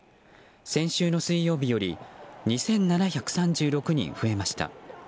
先週の水曜日より２７３６人増えました。